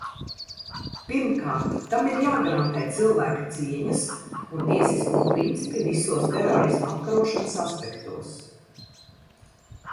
Pirmkārt, tam ir jāgarantē cilvēka cieņas un tiesiskuma principi visos terorisma apkarošanas aspektos.